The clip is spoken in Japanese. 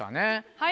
はい。